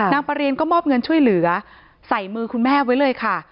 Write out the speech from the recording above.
ประเรียนก็มอบเงินช่วยเหลือใส่มือคุณแม่ไว้เลยค่ะ